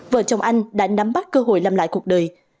vợ chồng anh đã nắm bắt cơ hội làm lại cuộc đời